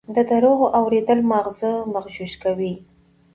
د دروغو اورېدل ماغزه مغشوش کوي.